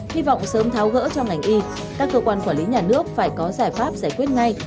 hy vọng sớm tháo gỡ trong ngành y các cơ quan quản lý nhà nước phải có giải pháp giải quyết ngay